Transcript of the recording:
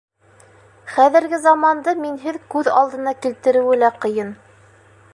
Хәҙерге заманды минһеҙ күҙ алдына килтереүе лә ҡыйын.